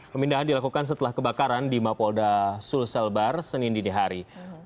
pemindahan dilakukan setelah kebakaran di mapolda sulselbar senin dinihari